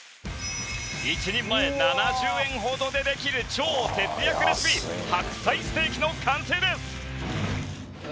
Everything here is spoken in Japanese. １人前７０円ほどでできる超節約レシピ白菜ステーキの完成です！